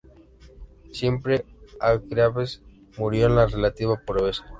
Siempre Hargreaves murió en la relativa pobreza.